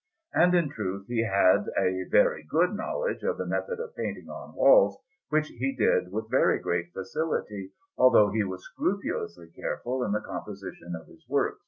And in truth he had a very good knowledge of the method of painting on walls, which he did with very great facility, although he was scrupulously careful in the composition of his works.